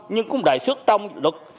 nhưng cũng đề xuất trong lực